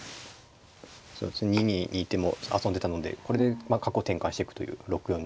そうですね２二にいても遊んでたのでこれで角を転換してくという６四に。